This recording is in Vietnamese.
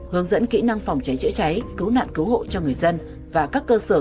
hướng dẫn kỹ năng phòng cháy chữa cháy cứu nạn cứu hộ cho người dân và các cơ sở